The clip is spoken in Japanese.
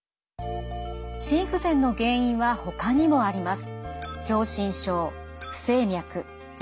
心不全の原因はほかにもあります。